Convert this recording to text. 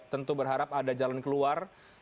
tentu berharap ada jalan keluar